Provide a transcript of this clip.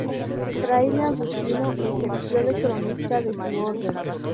Fraile agustino, ejerció de cronista de su orden.